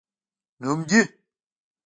نوم دي؟